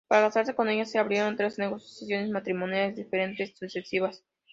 Para casarse con ella, se abrieron tres negociaciones matrimoniales diferentes sucesivas.